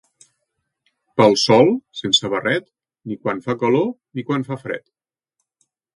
Pel sol, sense barret, ni quan fa calor ni quan fa fred.